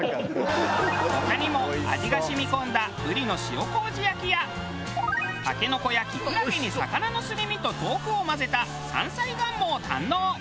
他にも味が染み込んだブリの塩こうじ焼きやタケノコやキクラゲに魚のすり身と豆腐を混ぜた山菜がんもを堪能。